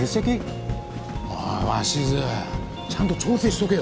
おい鷲津ちゃんと調整しとけよ。